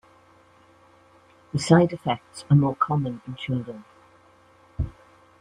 The side effects are more common in children.